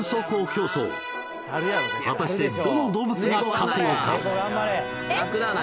競走果たしてどの動物が勝つのか？